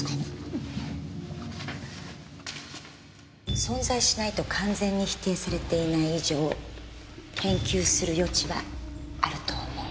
うん。存在しないと完全に否定されていない以上研究する余地はあると思う。